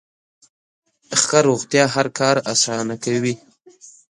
ښه روغتیا هر کار اسانه کوي.